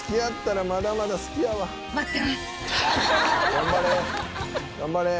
「頑張れ頑張れ！」